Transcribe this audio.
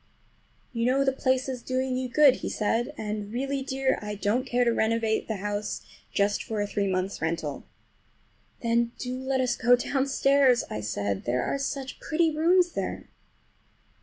"You know the place is doing you good," he said, "and really, dear, I don't care to renovate the house just for a three months' rental." "Then do let us go downstairs," I said, "there are such pretty rooms there."